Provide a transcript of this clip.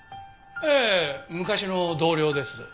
ええ昔の同僚です。